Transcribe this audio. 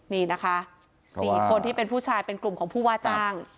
นี่นะคะ๔คนที่เป็นผู้ชายเป็นกลุ่มของผู้ว่าจ้าง